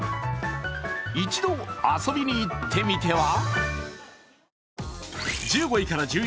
一度、遊びにいってみては。